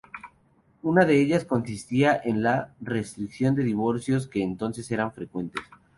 Una de ellas consistía en la restricción de los divorcios, que entonces eran frecuentes.